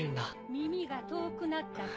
耳が遠くなったって？